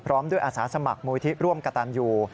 พร้อมด้วยอาสาสมัครมูลที่ร่วมกระตันยู